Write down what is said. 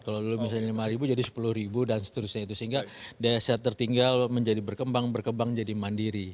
kalau dulu misalnya lima ribu jadi sepuluh ribu dan seterusnya itu sehingga desa tertinggal menjadi berkembang berkembang jadi mandiri